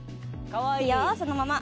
いいよそのまま。